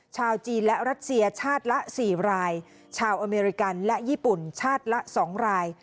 ชาวจีนและรัสเซียชาติละ๔รายชาวอเมริกันและญี่ปุ่นชาติละ๒ราย